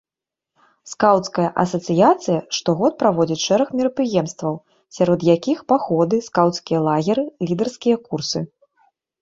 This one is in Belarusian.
Скаўцкая асацыяцыя штогод праводзіць шэраг мерапрыемстваў, сярод якіх паходы, скаўцкія лагеры, лідэрскія курсы.